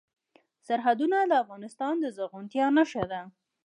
سرحدونه د افغانستان د زرغونتیا نښه ده.